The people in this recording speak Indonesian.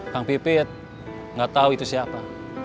kang pipit gak tahu itu siapa